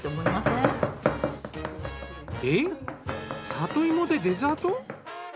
えっ里芋でデザート！？